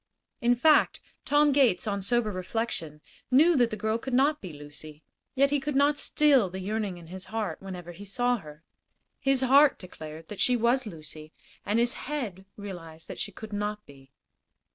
In fact, Tom Gates, on sober reflection, knew that the girl could not be Lucy, yet he could not still the yearning in his heart whenever he saw her. His heart declared that she was Lucy, and his head realized that she could not be.